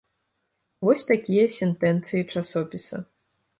Вось такія сентэнцыі часопіса.